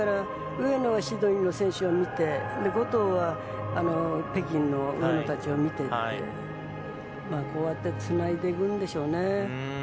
上野もシドニーの選手を見て後藤は北京の選手たちを見てこうやってつないでいくんでしょうね。